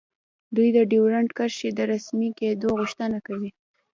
دوی د ډیورنډ کرښې د رسمي کیدو غوښتنه کوي